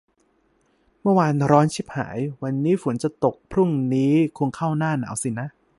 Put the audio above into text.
เมื่อวานร้อนชิบหาย วันนี้ฝนจะตก พรุ้งนี้คงเข้าหน้าหนาวสินะ